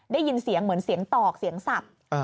ได้ยินเสียงเหมือนเสียงตอกเสียงสับ